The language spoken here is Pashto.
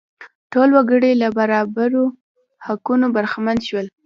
ټول وګړي له برابرو حقونو برخمن شول.